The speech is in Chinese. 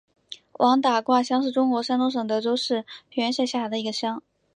王打卦乡是中国山东省德州市平原县下辖的一个乡。